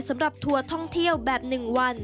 สำหรับทัวร์ท่องเที่ยวแบบ๑วัน